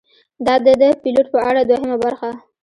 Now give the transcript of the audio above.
دا ده د پیلوټ په اړه دوهمه برخه: